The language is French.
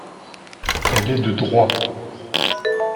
Elle est de droit.